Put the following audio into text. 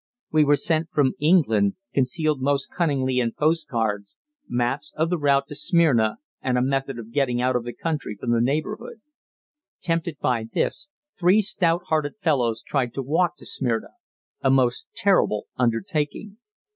We were sent from England, concealed most cunningly in post cards, maps of the route to Smyrna and a method of getting out of the country from the neighborhood. Tempted by this, three stout hearted fellows tried to walk to Smyrna a most terrible undertaking.